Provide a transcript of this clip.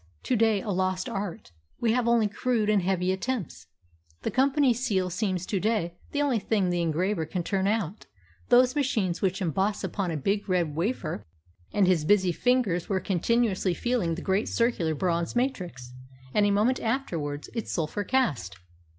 to day a lost art. We have only crude and heavy attempts. The company seal seems to day the only thing the engraver can turn out those machines which emboss upon a big red wafer." And his busy fingers were continuously feeling the great circular bronze matrix, and a moment afterwards its sulphur cast.